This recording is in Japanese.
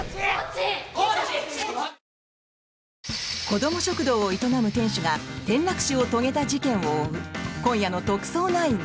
子ども食堂を営む店主が転落死を遂げた事件を追う今夜の「特捜９」。